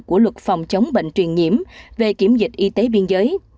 của luật phòng chống bệnh truyền nhiễm về kiểm dịch y tế biên giới